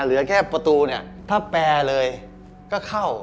เหลือแค่ประตูเนี่ยถ้าแปลเลยก็เข้า